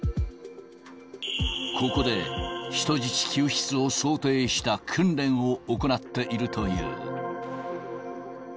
ここで人質救出を想定した訓練を行っているという。